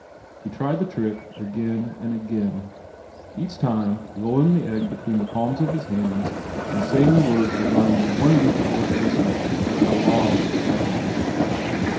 He tried the trick again and again, each time rolling the egg between the palms of his hands and saying the words regarding the wonders of electricity and the laws of gravity.